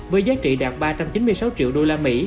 với giá trị đạt ba trăm chín mươi sáu triệu usd